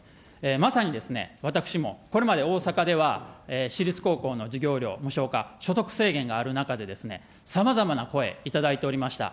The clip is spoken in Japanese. まさにですね、私も、これまで大阪では私立高校の授業料無償化、所得制限がある中で、さまざまな声頂いておりました。